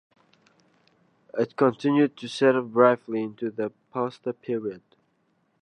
It continued to serve briefly into the postwar period.